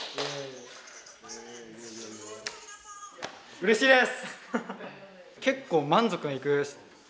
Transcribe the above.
うれしいです！